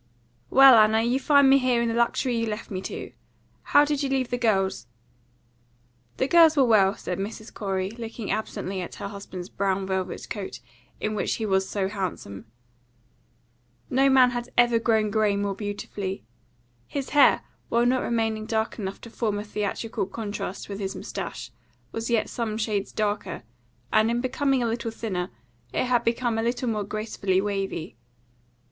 "Well, Anna, you find me here in the luxury you left me to. How did you leave the girls?" "The girls were well," said Mrs. Corey, looking absently at her husband's brown velvet coat, in which he was so handsome. No man had ever grown grey more beautifully. His hair, while not remaining dark enough to form a theatrical contrast with his moustache, was yet some shades darker, and, in becoming a little thinner, it had become a little more gracefully wavy.